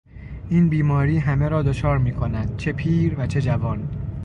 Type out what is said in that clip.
این بیماری همه را دچار میکند چه پیر و چه جوان.